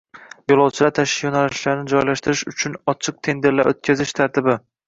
Yo‘lovchilar tashish yo‘nalishlarini joylashtirish uchun ochiq tenderlar o‘tkazish tartibi